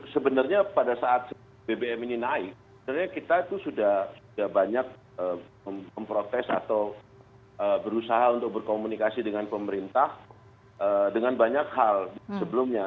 sebenarnya pada saat bbm ini naik sebenarnya kita itu sudah banyak memprotes atau berusaha untuk berkomunikasi dengan pemerintah dengan banyak hal sebelumnya